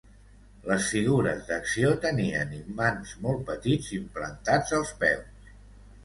Les figures d'acció tenien imants molt petits implantats els peus.